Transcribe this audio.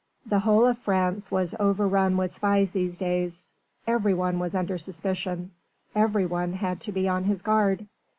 The whole of France was overrun with spies these days every one was under suspicion, every one had to be on his guard.